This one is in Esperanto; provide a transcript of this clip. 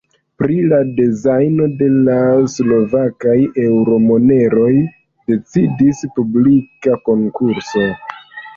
Pri la dezajno de la slovakaj eŭro-moneroj decidis publika konkurso.